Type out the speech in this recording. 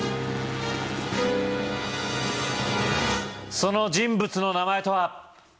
その人物の名前とは？